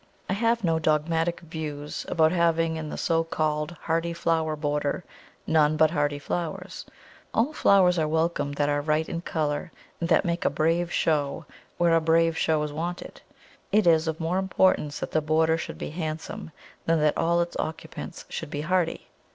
I have no dogmatic views about having in the so called hardy flower border none but hardy flowers. All flowers are welcome that are right in colour, and that make a brave show where a brave show is wanted. It is of more importance that the border should be handsome than that all its occupants should be hardy.